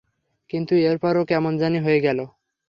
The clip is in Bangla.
কিন্তু এরপর ও কেমন জানি হয়ে গেলো।